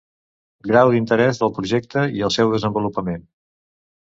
Grau d'interès del projecte i del seu desenvolupament.